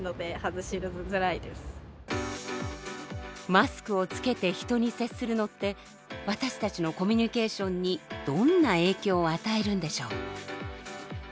マスクを着けて人に接するのって私たちのコミュニケーションにどんな影響を与えるんでしょう？